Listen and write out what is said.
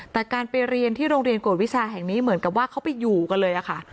แต่การไปเรียนที่โรงเรียนกวดวิชาแห่งนี้เหมือนกับว่าเขาไปอยู่กันเลยค่ะ